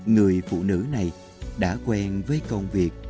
người phụ nữ này đã quen với công việc